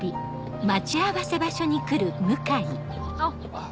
あっ。